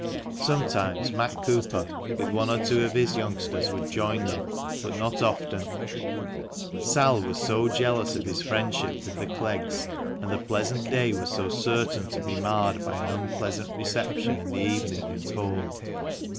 Sometimes Matt Cooper, with one or two of his youngsters, would join them, but not often, Sal was so jealous of his friendship with the Cleggs, and the pleasant day was so certain to be marred by an unpleasant reception in the evening at home.